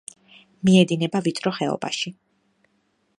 მიედინება ვიწრო ხეობაში.